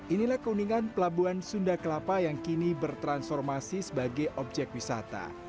inilah keuningan pelabuhan sunda kelapa yang kini bertransformasi sebagai objek wisata